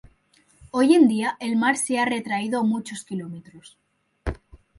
Hoy en día, el mar se ha retraído muchos kilómetros.